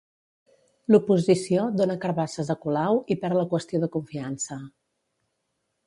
L'oposició dona carbasses a Colau i perd la qüestió de confiança.